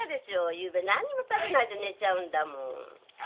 ゆうべ何にも食べないで寝ちゃうんだもん。